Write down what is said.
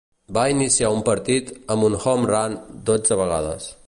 Va iniciar un partit amb un "home run" dotze vegades.